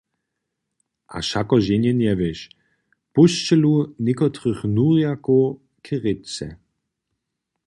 A wšako ženje njewěš, pósćelu někotrych nurjakow k rěce.